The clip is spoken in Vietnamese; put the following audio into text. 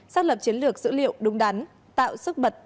xác lập chiến lược dữ liệu đúng đắn tạo sức bật tạo sức bật